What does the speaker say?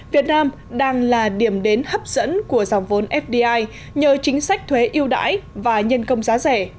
việt nam đang là điểm đến hấp dẫn của dòng vốn fdi nhờ chính sách thuế yêu đãi và nhân công giá rẻ